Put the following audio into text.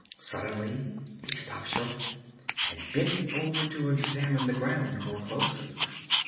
Suddenly he stopped short and bent over to examine the ground more closely.